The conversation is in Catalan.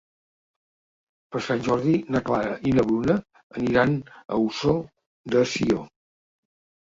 Per Sant Jordi na Clara i na Bruna aniran a Ossó de Sió.